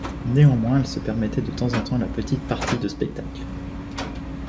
Néanmoins, elle se permettait de temps en temps la petite partie de spectacle.